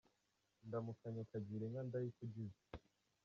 Indamukanyo Kagira inka Ndayikugize